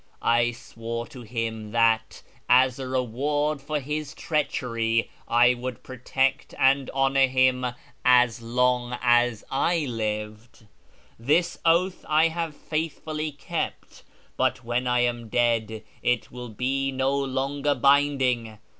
I swore to him that, as a reward for his treachery, I wonkl protect and honour him as long as I lived. This oath I have faithfully kept ; but when I am dead it will be no longer binding.